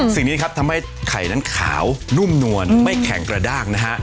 สิ่งนี้ครับทำให้ไข่นั้นขาวนุ่มนวลไม่แข็งกระด้างนะฮะ